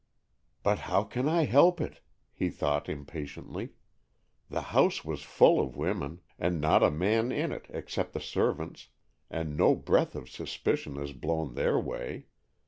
"But how can I help it?" he thought impatiently. "The house was full of women, and not a man in it except the servants, and no breath of suspicion has blown their way.